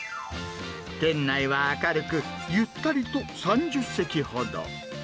店内は明るく、ゆったりと３０席ほど。